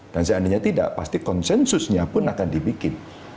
dan seandainya tidak pasti konsensusnya pun akan dibikin